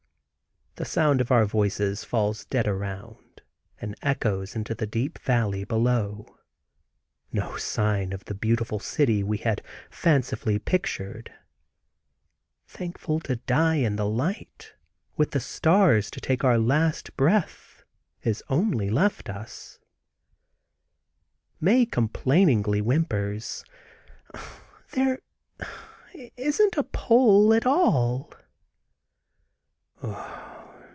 The sound of our voices falls dead around and echoes into the deep valley below. No sign of the beautiful city we had fancifully pictured. Thankful to die in the light, with the stars to take our last breath, is only left us. Mae complainingly whimpers: "There isn't a pole at all!"